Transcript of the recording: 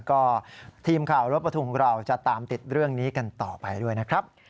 ก็ทีมข่าวรถประทุงของเราจะตามติดเรื่องนี้กันต่อไปด้วยนะครับ